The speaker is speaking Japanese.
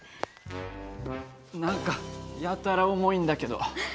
何かやたら重いんだけど。